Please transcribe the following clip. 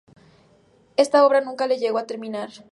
Esta obra nunca la llegó a terminar.